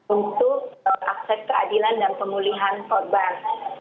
untuk akses keadilan dan pemulihan korban